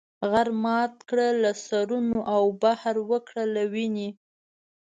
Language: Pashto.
غر مات کړه له سرونو او بحر وکړه له وینې.